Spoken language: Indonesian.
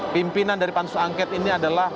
pimpinan dari pansus angket ini adalah